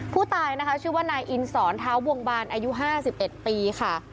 ผู้ตายนะคะชื่อว่านายอินสรท้าวบวงบานอายุห้าสิบเอ็ดปีค่ะ